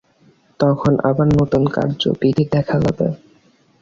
তখন আবার নূতন কার্যবিধি দেখা যাবে।